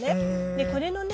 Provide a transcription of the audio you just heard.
でこれのね